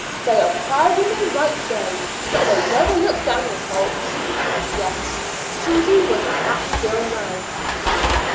They are proud in the right way, but they never look down on folks." Yes, Susy was a happy girl now.